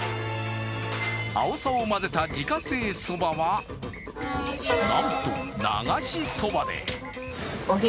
あおさを混ぜた自家製そばはなんと、流しそばで。